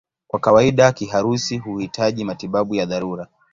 Kwa kawaida kiharusi huhitaji matibabu ya dharura.